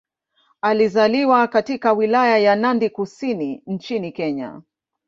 Alizaliwa katika Wilaya ya Nandi Kusini nchini Kenya.